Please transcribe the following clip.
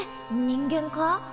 人間か？